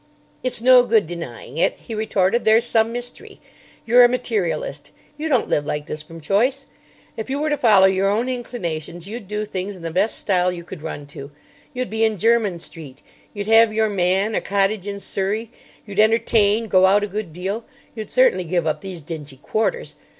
"It's no good denying it," he retorted; "there's some mystery. You're a materialist. You don't live like this from choice. If you were to follow your own inclinations, you'd do things in the best style you could run to. You'd be in Jermyn Street; you'd have your man, a cottage in Surrey; you'd entertain, go out a good deal. You'd certainly give up these dingy quarters.